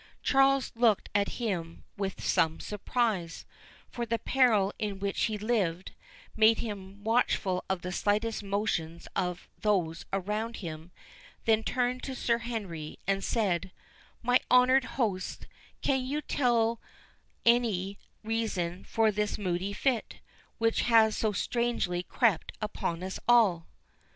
Charles looked at him with some surprise; for the peril in which he lived, made him watchful of the slightest motions of those around him—then turned to Sir Henry, and said, "My honoured host, can you tell any reason for this moody fit, which has so strangely crept upon us all?"